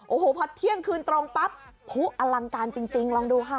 โอ้โหพอเที่ยงคืนตรงปั๊บผู้อลังการจริงลองดูค่ะ